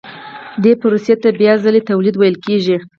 دې پروسې ته بیا ځلي تولید ویل کېږي